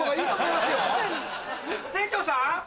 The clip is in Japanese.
店長さん？